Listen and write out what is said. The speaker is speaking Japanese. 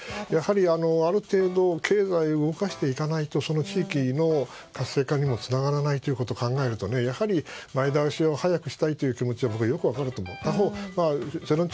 やはりある程度経済を動かしていかないと地域の活性化にもつながらないということを考えると前倒しを早くしたいという気持ちもよく分かります。